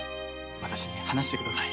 わたしに話してください。